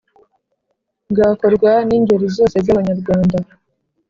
Bwakorwaga n’ingeri zose z’Abanyarwanda.